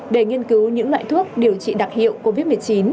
để nghiên cứu những loại thuốc điều trị đặc hiệu covid một mươi chín